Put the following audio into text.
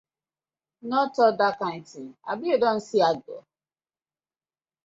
No tok dat kind tin, abi yu don see Agbor?